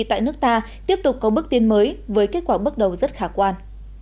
tại nước ta tiếp tục có bước tiến mới với kết quả bước đầu rất khả quan